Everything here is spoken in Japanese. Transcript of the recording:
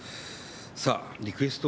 さあリクエスト